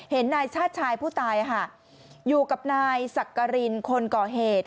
นายชาติชายผู้ตายอยู่กับนายสักกรินคนก่อเหตุ